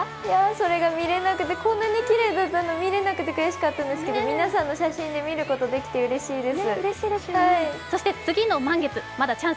それが見れなくてこんなにきれいだったの見れなくて悔しかったんですけど、皆さんの写真で見ることができてうれしいです。